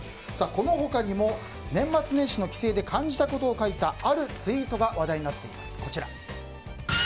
この他にも、年末年始の帰省で感じたことを書いたあるツイートが話題になっています。